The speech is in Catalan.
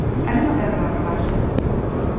Anem a veure les rebaixes.